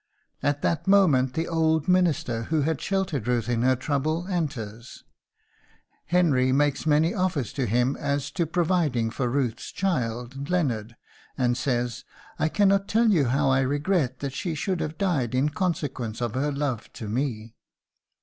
At that moment the old minister, who had sheltered Ruth in her trouble, enters. Henry makes many offers to him as to providing for Ruth's child, Leonard, and says, "I cannot tell you how I regret that she should have died in consequence of her love to me."